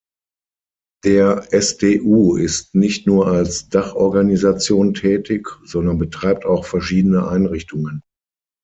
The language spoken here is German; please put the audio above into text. Der SdU ist nicht nur als Dachorganisation tätig, sondern betreibt auch verschiedene Einrichtungen.